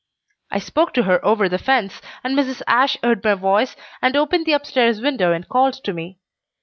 I spoke to her over the fence, and Mrs. Ashe heard my voice, and opened the upstairs window and called to me.